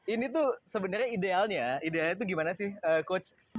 ini tuh sebenarnya idealnya idealnya itu gimana sih coach